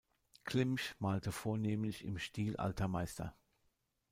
Klimsch malte vornehmlich im Stil alter Meister.